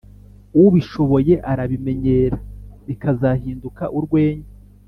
ubishoboye arabimenyera, bikazahinduka urwenya,